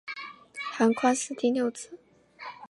韩匡嗣第六子。